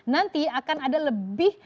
nanti akan ada lebih